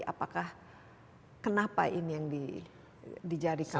apakah kenapa ini yang dijadikan